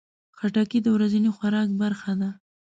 خټکی د ورځني خوراک برخه ده.